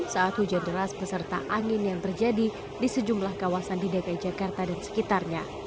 saat hujan deras beserta angin yang terjadi di sejumlah kawasan di dki jakarta dan sekitarnya